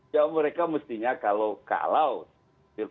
ya mereka mestinya kalau